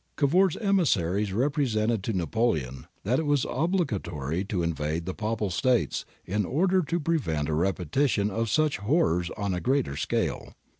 Cavour's emissaries represented to Napoleon that it was obligatory to invade the Papal States in order to prevent a repetition of such horrors on a greater scale.